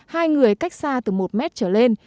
hai người cách xa từ một mét trở lên